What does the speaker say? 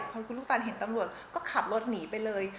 พอคุณลูกตานเห็นตำรวจก็ขับรถหนีไปเลย